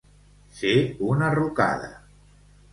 Ser una rucada.